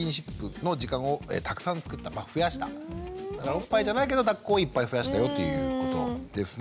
おっぱいじゃないけどだっこをいっぱい増やしたよということですね。